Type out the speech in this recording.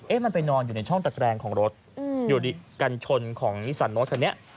เอ๊ะมันไปนอนอยู่ในช่องตะแกรงของรถอืมอยู่ในกันชนของสันรถครับเนี้ย